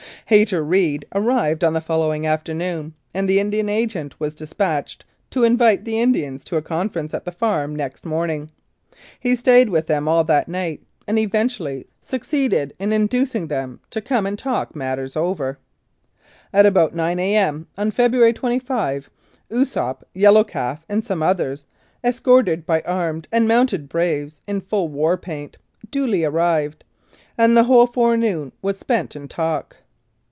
Hayter Reed arrived on the following afternoon, and the Indian Agent was dispatched to invite the Indians to a conference at the farm next morning. He stayed with them all that night, and eventually succeeded in inducing them to come and talk matters over. At about 9 A.M. on February 25 Osoup, Yellow Calf, and some others, escorted by armed and mounted braves in full war paint, duly arrived, and the whole forenoon was spent in talk.